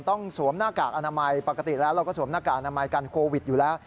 สวมหน้ากากอนามัยปกติแล้วเราก็สวมหน้ากากอนามัยกันโควิดอยู่แล้ว